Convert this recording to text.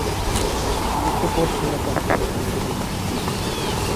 বসে পড়ছেন না কেনো, আমি কেটে দিচ্ছি।